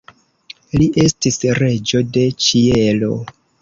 Li estis Reĝo de Ĉielo.